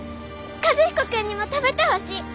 和彦君にも食べてほしい！